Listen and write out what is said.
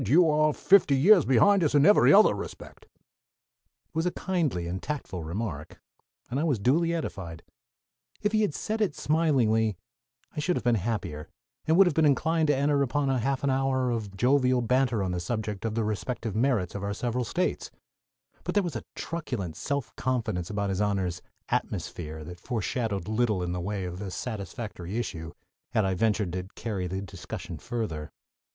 you are fifty years behind us in every other respect!_" It was a kindly and tactful remark, and I was duly edified. If he had said it smilingly, I should have been happier, and would have been inclined to enter upon a half hour of jovial banter on the subject of the respective merits of our several States; but there was a truculent self confidence about his honor's "atmosphere" that foreshadowed little in the way of a satisfactory issue had I ventured to carry the discussion further.